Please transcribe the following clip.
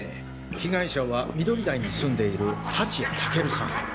被害者は緑台に住んでいる蜂谷尊さん。